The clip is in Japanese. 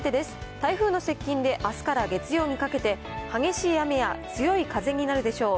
台風の接近で、あすから月曜にかけて、激しい雨や強い風になるでしょう。